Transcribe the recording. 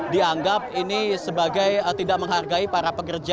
dianggap ini sebagai tidak menghargai para pekerja